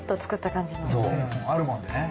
あるもんでね。